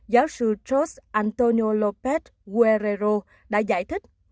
giáo sư george antonio lopez guerrero đã giải thích